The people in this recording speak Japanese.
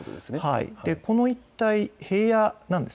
この一帯、平野なんです。